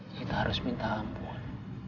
kita harus minta ampun